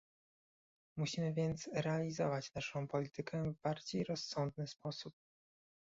Musimy więc realizować naszą politykę w bardziej rozsądny sposób